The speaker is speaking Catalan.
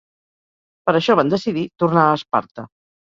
Per això van decidir tornar a Esparta.